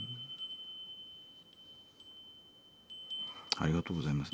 ありがとうございます。